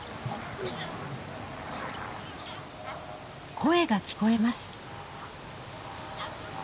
・声が聞こえます。